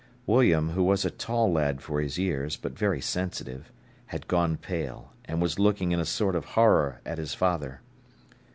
William, who was a tall lad for his years, but very sensitive, had gone pale, and was looking in a sort of horror at his father.